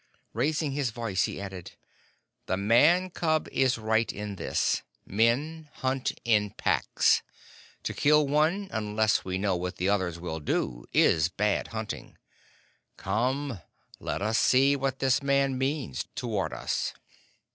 Raising his voice, he added, "The Man cub is right in this. Men hunt in packs. To kill one, unless we know what the others will do, is bad hunting. Come, let us see what this Man means toward us."